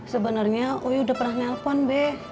sebenarnya uyu udah pernah nelfon be